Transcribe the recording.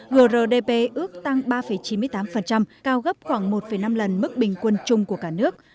grdp ước tăng ba chín mươi tám cao gấp khoảng một năm lần mức bình quân chung của cả nước